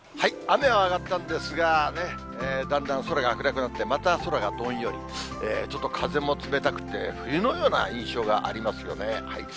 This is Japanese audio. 雨は上がったんですが、だんだん空が暗くなって、また空がどんより、ちょっと風も冷たくて、冬のような印象がありますよね。